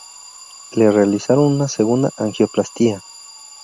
Le realizaron una segunda angioplastia.